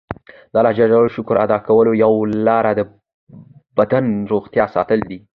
د الله ج د شکر ادا کولو یوه لاره د بدن روغتیا ساتل دي.